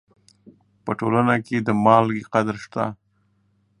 په ټولنه کې د مالګې قدر شته.